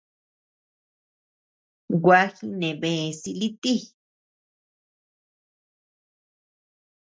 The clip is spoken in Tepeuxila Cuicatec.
Gua jinebe silï ti.